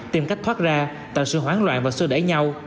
tìm cách thoát ra tạo sự hoán loạn và xưa đẩy nhau